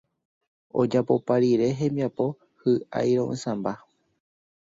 ojapopa rire hembiapo hy'airo'ysãmba